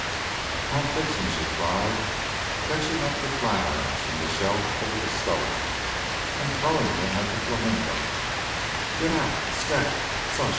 "I'll fix him!" she cried, catching up the flatirons from the shelf over the stove and throwing them at the flamingo. "Get out! Scat!